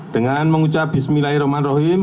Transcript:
dengan mengucap bismillahirrahmanirrahim